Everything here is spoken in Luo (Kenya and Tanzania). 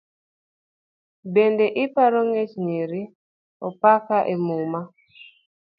Bende iparo ngech nyiri aparka emuma?